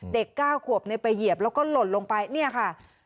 เด็กก้าวขวบในไปเหยียบแล้วก็หล่นลงไปเนี่ยค่ะ